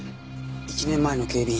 １年前の警備員